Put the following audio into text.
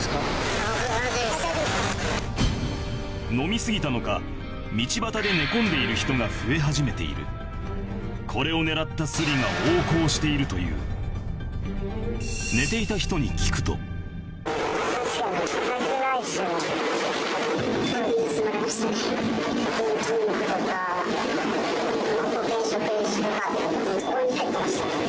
飲み過ぎたのか道端で寝込んでいる人が増え始めているこれを狙ったしているという寝ていた人に聞くとここに入ってましたからね。